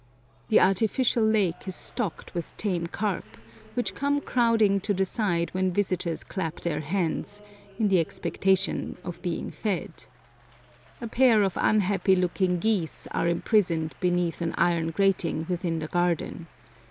The artificial lake is stocked with tame carp, which come crowding to the side when visitors clap their hands, in the expectation of being fed. A pair of unhappy looking geese are imprisoned beneath an iron grating within the garden.